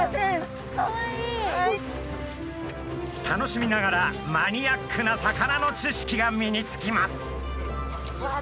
楽しみながらマニアックな魚の知識が身につきます。